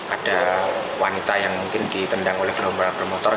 ada wanita yang mungkin ditendang oleh gerombolan pemotor